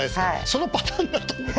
そのパターンだと思って。